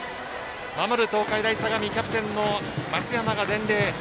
守る東海大相模キャプテンの松山が伝令。